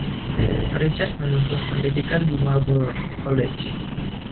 Richards menempuh pendidikan di Marlborough College.